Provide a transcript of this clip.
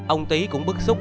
ông tý cũng bức xúc